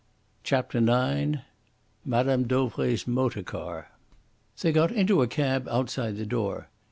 CHAPTER IX MME. DAUVRAY'S MOTOR CAR They got into a cab outside the door.